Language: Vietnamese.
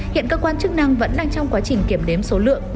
hiện cơ quan chức năng vẫn đang trong quá trình kiểm đếm số lượng